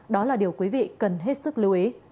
đó là điều quý vị cần hết sức lưu ý